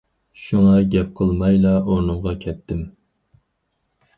شۇڭا گەپ قىلمايلا ئورنۇمغا كەتتىم.